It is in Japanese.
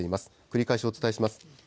繰り返しお伝えします。